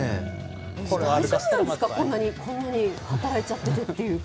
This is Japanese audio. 大丈夫なんですかこんなに働いちゃっててというか。